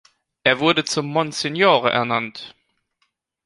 Er wurde zum Monsignore ernannt.